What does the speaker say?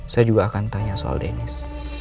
saya juga akan tanya soal denis